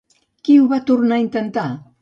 Qui ho va tornar a intentar?